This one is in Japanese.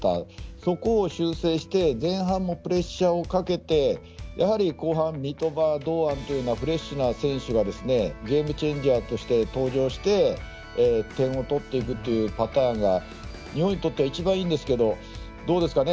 そこを修正して前半もプレッシャーをかけてやはり後半に三笘、堂安というフレッシュな選手がゲームチェンジャーとして登場して点を取っていくというパターンが日本にとっては一番いいんですけどどうですかね